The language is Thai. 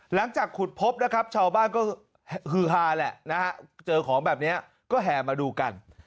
หลังจากขุดพบนะครับชาวบ้านก็ฮือฮาแหละนะฮะเจอของแบบนี้ก็แห่มาดูกัน